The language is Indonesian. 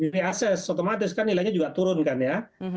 reas otomatis kan nilainya juga turun kan ya